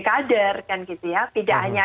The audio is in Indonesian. kader kan gitu ya tidak hanya